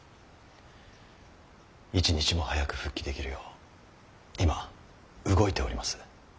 一日も早く復帰できるよう今動いております。